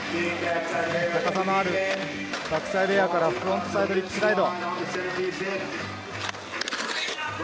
高さのあるバックサイドエアからフロントサイドリップスライド。